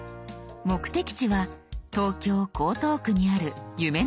目的地は東京江東区にある夢の島公園。